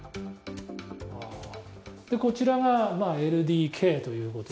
こちらがＬＤＫということで。